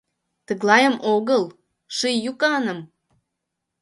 — Тыглайым огыл — ший йӱканым.